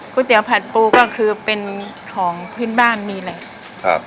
เตี๋ยผัดปูก็คือเป็นของพื้นบ้านมีแหละครับ